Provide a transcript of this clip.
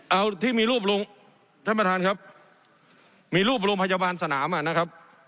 เอาที่มีรูปลงท่านประธานครับมีรูปโรงพยาบาลสนามอ่ะนะครับ